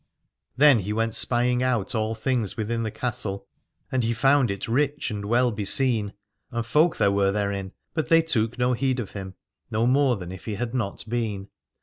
Then he went spying out all things within the castle, and he found it rich and well beseen : and folk there were therein, but they took no heed of him, no more than if he had not been.